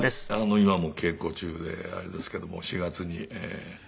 今も稽古中であれですけども４月に。